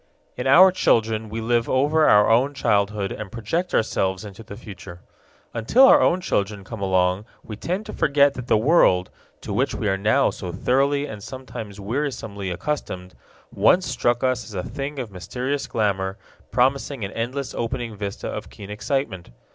In our children we live over our own childhood and project ourselves into the future. Until our own children come along we tend to forget that the world, to which we are now so thoroughly and sometimes wearisomely accustomed, once struck us as a thing of mysterious glamour, promising an endless opening vista of keen excitement.